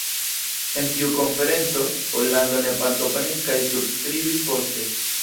En tiu konferenco, Pollando ne partoprenis kaj subskribis poste.